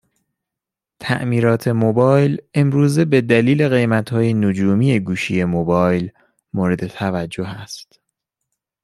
تعمیرات موبایل امروزه به دلیل قیمت های نجومی گوشی موبایل مورد توجه است